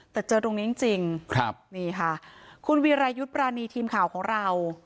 แต่เจอตรงนี้จริงคุณวิรายุทธ์ปรานีทีมข่าวของเรา